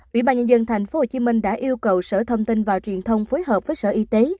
ủy ban nhân dân tp hcm đã yêu cầu sở thông tin và truyền thông phối hợp với sở y tế